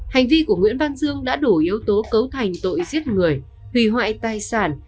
hành vi của nguyễn văn dương đã đủ yếu tố cấu thành tội giết người hủy hoại tài sản